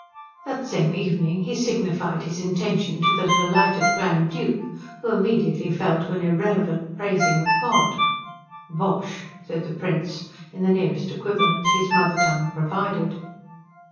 That same evening he signified his intention to the delighted Grand Duke, who immediately fell to an irrelevant praising of God. "Bosh," said the Prince, in the nearest equivalent his mother tongue provided.